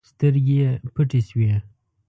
سترګې يې پټې شوې.